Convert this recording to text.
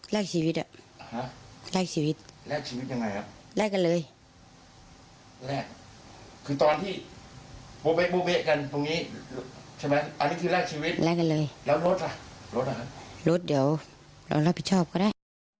แล้วรถล่ะนะคะรถเดี๋ยวเรารอดผิดชอบก็ได้